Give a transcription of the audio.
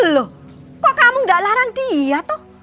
loh kok kamu enggak larang dia toh